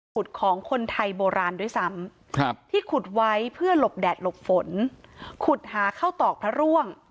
ของคนไทยโบราณด้วยซ้ำที่ขุดไว้เพื่อหลบแดดหลบฝนขุดหาเข้าตอกพระร่วง